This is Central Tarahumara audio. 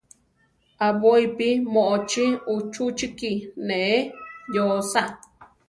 Aʼbóipi moʼochí uchúchiki neʼé yóosa.